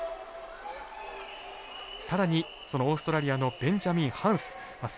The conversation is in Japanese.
さらに、オーストラリアのベンジャミン・ハンス。